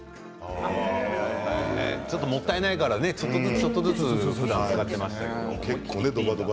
もったいないからちょっとずつ使っていましたけれど。